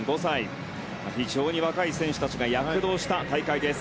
非常に若い選手たちが躍動した大会です。